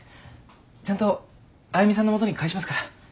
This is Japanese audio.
ちゃんとあゆみさんの元に返しますから。